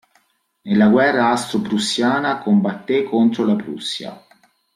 Nella guerra austro-prussiana combatté contro la Prussia.